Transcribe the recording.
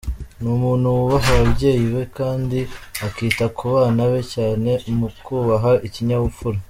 Ni umuntu wubaha ababyeyi be kandi akita ku bana be cyane mu kubaha ikinyabupfura.